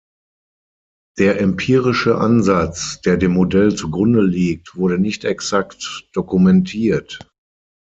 Der empirische Ansatz, der dem Modell zugrunde liegt wurde nicht exakt dokumentiert.